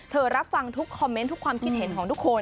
รับฟังทุกคอมเมนต์ทุกความคิดเห็นของทุกคน